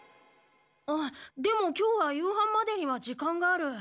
あっでも今日は夕飯までには時間がある。